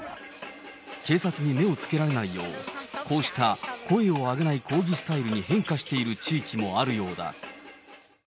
警察に目をつけられないよう、こうした声を上げない抗議スタイルに変化している地域もあるようだ。